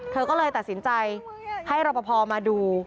เธอก็เลยตัดสินใจให้รอปภมาดู